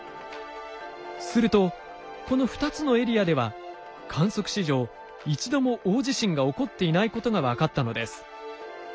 するとこの２つのエリアでは観測史上一度も大地震が起こっていないことが分かったのです。